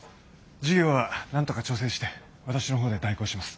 授業はなんとか調整して私の方で代行します。